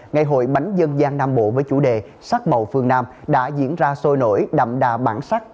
ngày hội bánh dân gian nam bộ với chủ đề sắc màu phương nam đã diễn ra sôi nổi đậm đà bản sắc